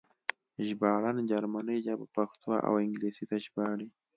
ژباړن جرمنۍ ژبه پښتو او انګلیسي ته ژباړي